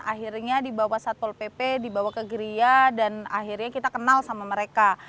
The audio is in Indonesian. akhirnya dibawa satpol pp dibawa ke geria dan akhirnya kita kenal sama mereka